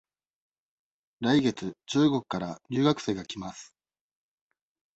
来月中国から留学生が来ます。